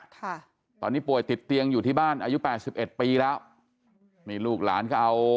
ค่ะตอนนี้ป่วยติดเตียงอยู่ที่บ้านอายุแปดสิบเอ็ดปีแล้วนี่ลูกหลานก็เอา